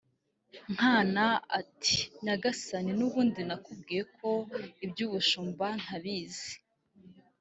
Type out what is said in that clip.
Nkana ati “Nyagasani n’ubundi nakubwiye ko iby’ubushumba ntabizi